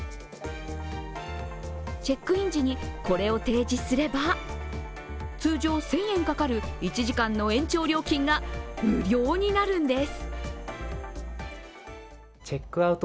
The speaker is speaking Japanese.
チェックイン時にこれを提示すれば通常１０００円かかる１時間の延長料金が無料になるんです。